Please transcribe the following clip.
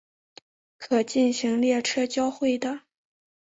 可进行列车交会的。